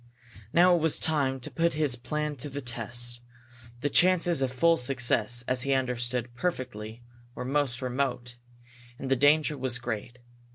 Now it was time to put his plan to the test. The chances of full success, as he understood perfectly, were most remote. And the danger was great.